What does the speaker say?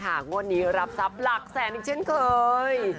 ข้างนนี้รับทรัพย์หลักแสนเฉียนเกย